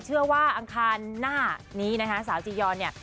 ว่าอังคารหน้านี้นะคะสาวจียอนเนี่ย